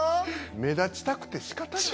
目立ちたくて仕方ない。